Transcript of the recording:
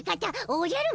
おじゃる。